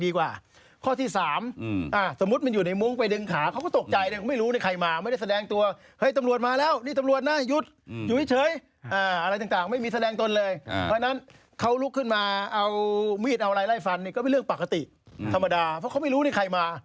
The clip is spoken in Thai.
อีกหนึ่งข้อหาในไขหาตรฐานตำรวจพวกนี้บุกลุก